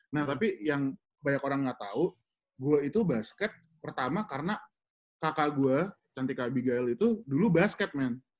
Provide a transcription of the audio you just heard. nah tapi yang banyak orang nggak tahu gue itu basket pertama karena kakak gue cantika abigail itu dulu basket man